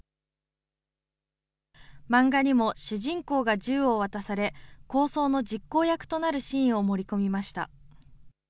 漫画にも主人公が銃を渡され、抗争の実行役となるシーンを盛り込みました。